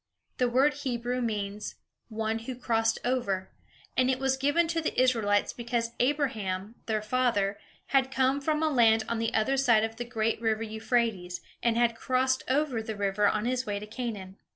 The word Hebrew means, "One who crossed over," and it was given to the Israelites because Abraham, their father, had come from a land on the other side of the great river Euphrates, and had crossed over the river on his way to Canaan.